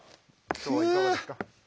今日はいかがでした？